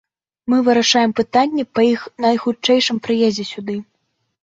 Мы вырашаем пытанне па іх найхутчэйшым прыездзе сюды.